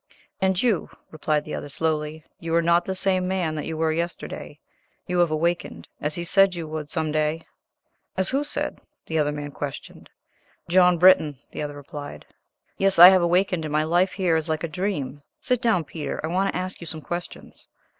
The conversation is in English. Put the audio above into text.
"And you," replied the other, slowly, "you are not the same man that you were yesterday; you have awakened, as he said you would some day." "As who said?" the young man questioned. "John Britton," the other replied. "Yes, I have awakened, and my life here is like a dream. Sit down, Peter; I want to ask you some questions."